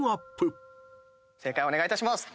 正解をお願いいたします、。